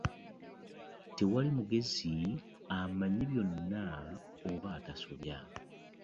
Tewali mugezi amanyi byonna oba atasobya.